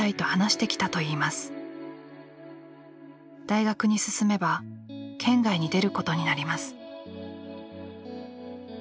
大学に進めば県外に出ることになります。